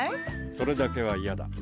それだけは嫌だ。